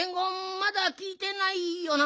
まだきいてないよな？